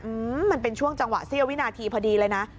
อืมมันเป็นช่วงจังหวะเสี้ยววินาทีพอดีเลยนะ